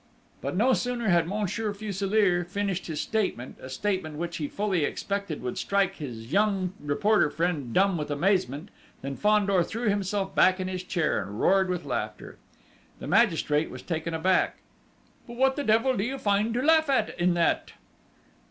But, no sooner had Monsieur Fuselier finished his statement a statement which he fully expected would strike his young reporter friend dumb with amazement than Fandor threw himself back in his chair and roared with laughter. The magistrate was taken aback!... "But ... what the devil do you find to laugh at in that?"